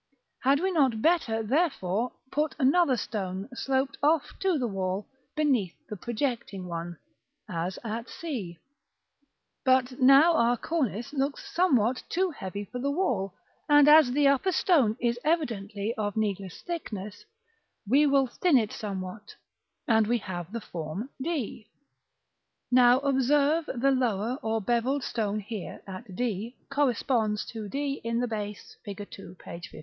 Had we not better, therefore, put another stone, sloped off to the wall, beneath the projecting one, as at c. But now our cornice looks somewhat too heavy for the wall; and as the upper stone is evidently of needless thickness, we will thin it somewhat, and we have the form d. Now observe: the lower or bevelled stone here at d corresponds to d in the base (Fig. II., page 59).